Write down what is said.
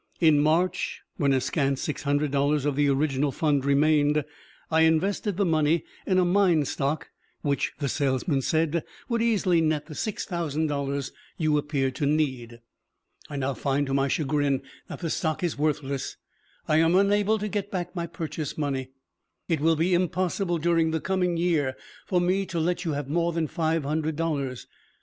In March, when a scant six hundred dollars of the original fund remained, I invested the money in a mine stock which, the salesman said, would easily net the six thousand dollars you appeared to need. I now find to my chagrin that the stock is worthless. I am unable to get back my purchase money. It will be impossible during the coming year for me to let you have more than five hundred dollars.